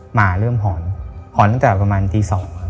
หมาเริ่มหอนหอนตั้งแต่ประมาณตี๒ครับ